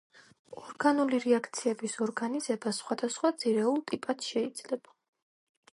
ორგანული რეაქციების ორგანიზება სხვადასხვა ძირეულ ტიპად შეიძლება.